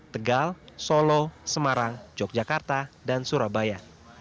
tegal solo semarang yogyakarta dan surabaya